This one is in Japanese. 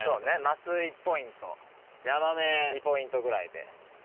２ポイントぐらいで。